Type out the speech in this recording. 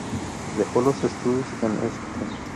Dejó los estudios en St.